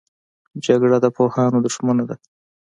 جګړه د پوهانو دښمنه ده